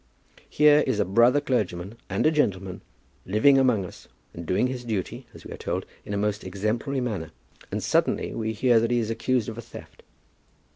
Here is a brother clergyman and a gentleman, living among us, and doing his duty, as we are told, in a most exemplary manner; and suddenly we hear that he is accused of a theft.